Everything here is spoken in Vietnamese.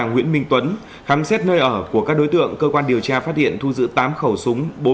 nguyễn minh tuấn khám xét nơi ở của các đối tượng cơ quan điều tra phát hiện thu giữ tám khẩu súng